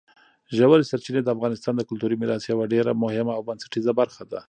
ژورې سرچینې د افغانستان د کلتوري میراث یوه ډېره مهمه او بنسټیزه برخه ده.